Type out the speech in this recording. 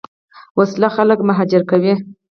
وسله خلک مهاجر کوي